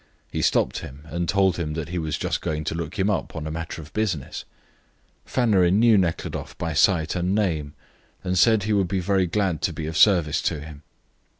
He stopped him, and told him that he was just going to look him up on a matter of business. Fanarin knew Nekhludoff by sight and name, and said he would be very glad to be of service to him.